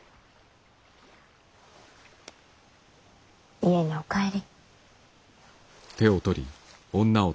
家にお帰り。